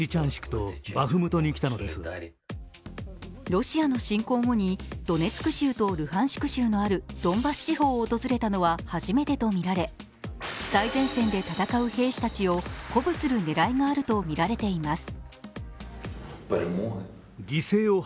ロシアの侵攻後にドネツク州とルハンシク州のあるドンバス地方を訪れたのは初めてとみられ最前線で戦う兵士たちを鼓舞する狙いがあるとみられています。